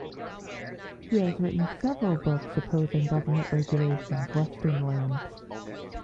He has written several books opposing government regulation of Western lands.